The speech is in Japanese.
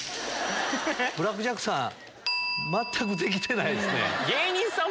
ブラック・ジャックさん全くできてないですね。